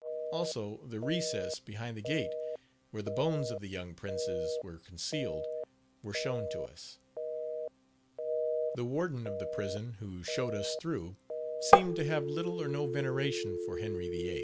also, the recess behind the gate where the bones of the young princes were concealed, were shown to us. The warden of the prison who showed us through, seemed to have little or no veneration for Henry VIII.